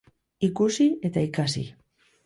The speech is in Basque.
Ikusi eta ikasi